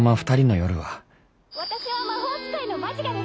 「私は魔法使いのマジガル。